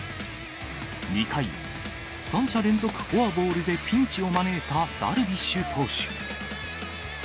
２回、三者連続フォアボールでピンチを招いたダルビッシュ投手。